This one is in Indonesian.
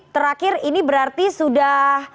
terakhir ini berarti sudah